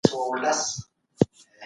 که غوښه وي نو وینه نه کمیږي.